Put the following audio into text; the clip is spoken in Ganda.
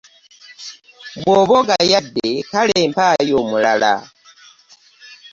Bw'oba ogayadde kale mpaayo omulala.